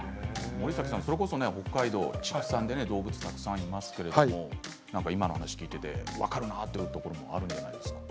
それこそ北海道は畜産で動物がたくさんいますよね、今の話を聞いていて分かるなと思うところありますか。